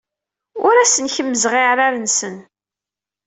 Ur asen-kemmzeɣ iɛrar-nsen.